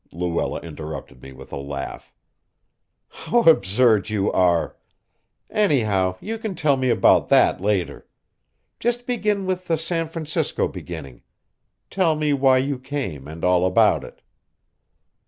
Luella interrupted me with a laugh. "How absurd you are! Anyhow, you can tell me about that later. Just begin with the San Francisco beginning. Tell me why you came and all about it."